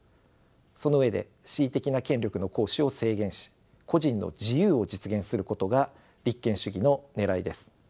その上で恣意的な権力の行使を制限し個人の自由を実現することが立憲主義のねらいです。